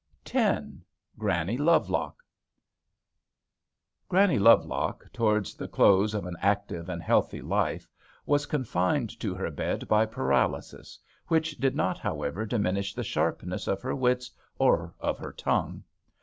40 . 1 GRANNY LOVELOCK Granny Lovelock, towards the close of an active and healthy life, was confined to her bed by paralysis, which did not, however, diminish the sharpness of her wits or of her tongue.